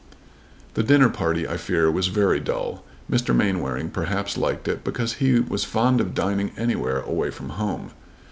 The dinner party I fear was very dull. Mr. Mainwaring perhaps liked it because he was fond of dining anywhere away from home.